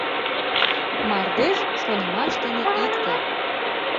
Мардеж — шонымаш дене икте.